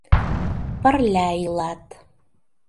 Пырля илат.